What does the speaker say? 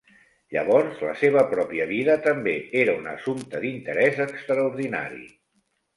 Llavors la seva pròpia vida també era un assumpte d'interès extraordinari.